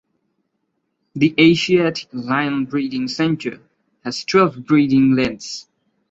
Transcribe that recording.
The Asiatic Lion breeding centre has twelve breeding dens.